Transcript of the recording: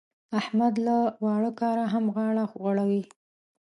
احمد له واړه کاره هم غاړه غړوي.